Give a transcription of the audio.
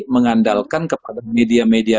mengandalkan kepada media media